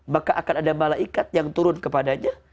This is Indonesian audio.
maka akan ada malaikat yang turun kepadanya